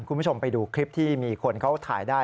คุณผู้ชมไปดูคลิปที่มีคนเขาถ่ายได้